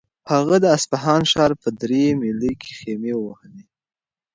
هغه د اصفهان ښار په درې میلۍ کې خیمې ووهلې.